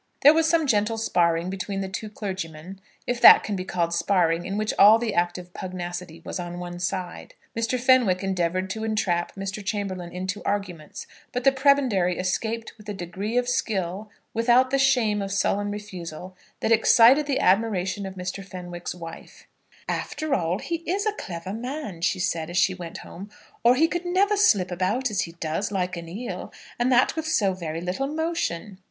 There was some gentle sparring between the two clergymen, if that can be called sparring in which all the active pugnacity was on one side. Mr. Fenwick endeavoured to entrap Mr. Chamberlaine into arguments, but the Prebendary escaped with a degree of skill, without the shame of sullen refusal, that excited the admiration of Mr. Fenwick's wife. "After all, he is a clever man," she said, as she went home, "or he could never slip about as he does, like an eel, and that with so very little motion."